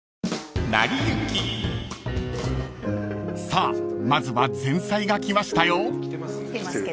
［さあまずは前菜が来ましたよ］